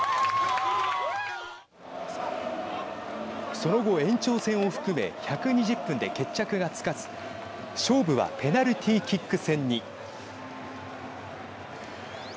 その後、延長戦を含め１２０分で決着がつかず勝負はペナルティーキック戦に。